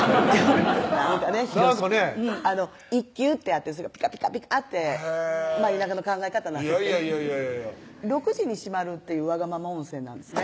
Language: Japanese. なんかねなんかね一休ってあってそれがピカピカピカッて田舎の考え方なんですけどいやいやいや６時に閉まるっていうわがまま温泉なんですね